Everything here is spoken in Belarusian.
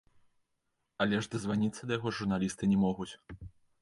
Але ж дазваніцца да яго журналісты не могуць.